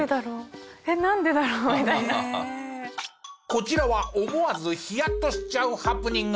こちらは思わずヒヤッとしちゃうハプニング。